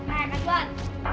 eh kak tuan